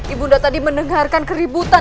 ibu tadi mendengarkan keributan